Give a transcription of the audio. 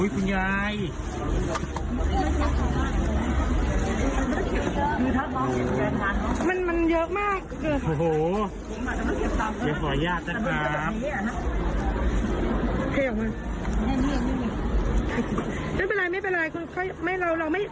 เพราะเราต้องมีหนักถ่ายนะครับ